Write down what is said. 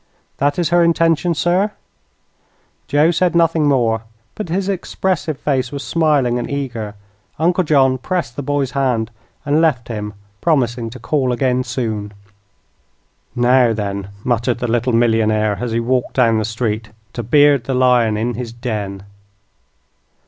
"That is her intention, sir." Joe said nothing more, but his expressive face was smiling and eager. Uncle John pressed the boy's hand and left him, promising to call again soon. "Now, then," muttered the little millionaire, as he walked down the street, "to beard the lion in his den."